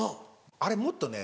あれもっとね